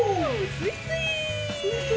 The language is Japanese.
スイスイ！